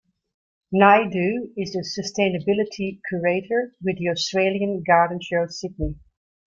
Naidoo is the sustainability curator with the Australian Garden Show Sydney.